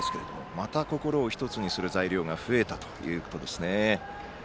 また心を１つにする材料が増えたということですね。